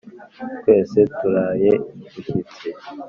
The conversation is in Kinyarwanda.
twese turaye bushyitsi